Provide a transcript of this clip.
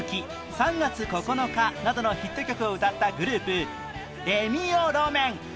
『３月９日』などのヒット曲を歌ったグループ「レミオロメン」